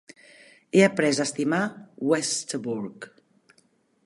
He après a estimar Westerbork.